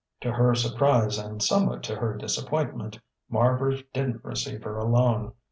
To her surprise and somewhat to her disappointment, Marbridge didn't receive her alone.